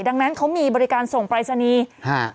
ดังนั้นเขามีบริการส่งปรายศนีย์ฮะ